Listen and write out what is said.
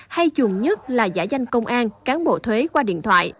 hay dùng nhất là giả danh công an cán bộ thuế qua điện thoại